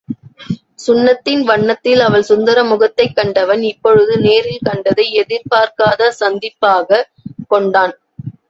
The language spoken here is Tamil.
சுண்ணத்தின் வண்ணத்தில் அவள் சுந்தர முகத்தைக் கண்டவன் இப்பொழுது நேரில் கண்டதை எதிர்பார்க்காத சந்திப்பாகக் கொண்டான்.